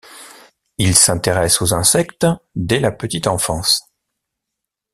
Il s'intéresse aux insectes dès la petite enfance.